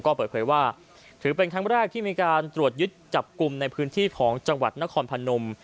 ก็เปิดเผยว่าถือเป็นครั้งแรกที่มีการตรวจยึดจับกลุ่มในพื้นที่ของจังหวัดนครพนม